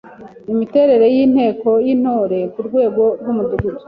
Imiterere y’Inteko y’Intore ku rwego rw’Umudugudu